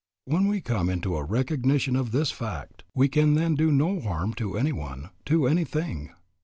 When we come into a recognition of this fact, we can then do no harm to any one, to any thing.